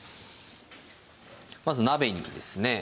まず鍋にですね